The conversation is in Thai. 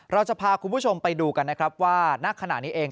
เราจะพาคุณผู้ชมไปดูกันนะครับว่าณขณะนี้เอง